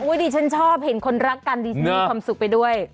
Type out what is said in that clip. ดิฉันชอบเห็นคนรักกันดิฉันมีความสุขไปด้วย